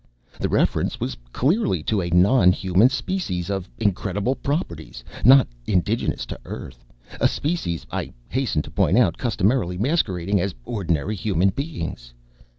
The reference was clearly to a nonhuman species of incredible properties, not indigenous to Earth. A species, I hasten to point out, customarily masquerading as ordinary human beings.